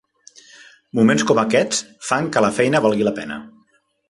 Moments com aquests fan que la feina valgui la pena.